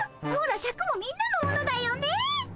ほらシャクもみんなのものだよね。